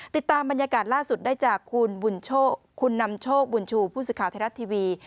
ติดตามบรรยากาศล่าสุดได้จากคุณนำโชคบุญชูผู้สื่อข่าวไทยรัฐทีวี